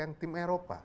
yang tim eropa